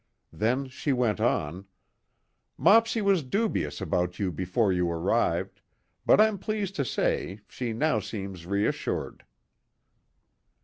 Then she went on: "Mopsy was dubious about you before you arrived, but I'm pleased to say she now seems reassured."